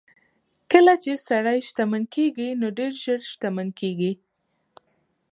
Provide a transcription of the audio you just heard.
کله چې سړی شتمن کېږي نو ډېر ژر شتمن کېږي.